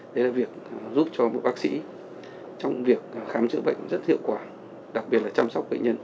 đấy là việc giúp cho một bác sĩ trong việc khám chữa bệnh rất hiệu quả đặc biệt là chăm sóc bệnh nhân